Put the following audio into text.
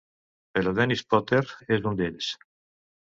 Però Dennis Potter és un d'ells.